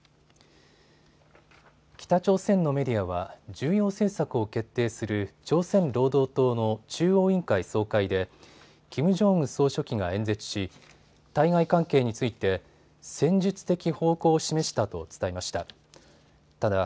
北朝鮮のメディアは重要政策を決定する朝鮮労働党の中央委員会総会でキム・ジョンウン総書記が演説し対外関係について戦術的方向を示したと伝えました。